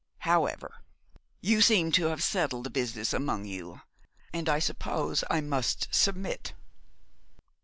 However, you seem to have settled the business among you, and I suppose I must submit.